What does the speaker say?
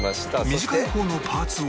短い方のパーツを